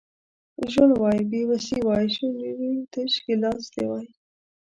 ژوند وای بې وسي وای شونډې وچې تش ګیلاس دي وای